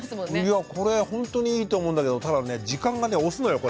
いやこれほんとにいいと思うんだけどただね時間がね押すのよこれ。